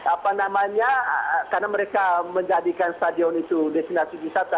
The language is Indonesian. apa namanya karena mereka menjadikan stadion itu destinasi wisata